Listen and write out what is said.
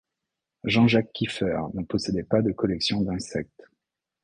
Jean-Jacques Kieffer ne possédait pas de collection d'insectes.